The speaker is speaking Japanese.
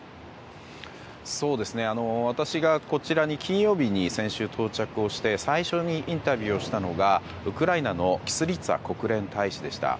私がこちらに先週金曜日に到着して最初にインタビューをしたのがウクライナのキスリツァ国連大使でした。